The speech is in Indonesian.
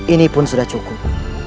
ini pun sudah cukup